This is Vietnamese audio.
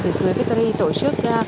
thủy thuế petri tổ chức